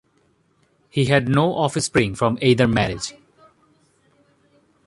He had no offspring from either marriage.